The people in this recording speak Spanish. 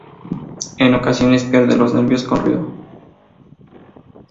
En ocasiones, pierde los nervios con Ryo.